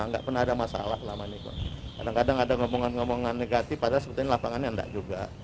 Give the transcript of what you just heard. nggak pernah ada masalah lama ini kok kadang kadang ada ngomongan ngomongan negatif padahal sebetulnya lapangannya enggak juga